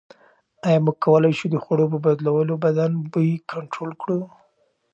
ایا موږ کولای شو د خوړو په بدلولو بدن بوی کنټرول کړو؟